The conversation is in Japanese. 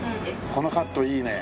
このカットいいねえ。